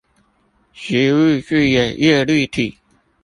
植物具有葉綠體